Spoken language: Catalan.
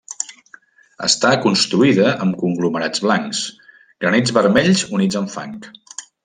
Està construïda amb conglomerats blancs, granits vermells units amb fang.